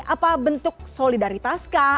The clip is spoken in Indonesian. apa bentuk solidaritas kah